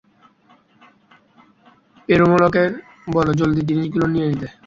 পেরুমলকে বল জলদি জিনিসগুলো নিয়ে নিতে।